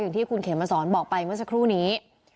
อย่างที่คุณเขมสอนบอกไปเมื่อสักครู่นี้